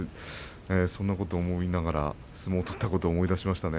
そういうことを思いながら相撲を取ったことを思い出しました。